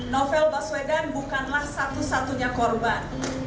novel baswedan bukanlah satu satunya korban